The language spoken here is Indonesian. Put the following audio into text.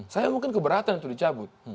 saya mungkin keberatan itu dicabut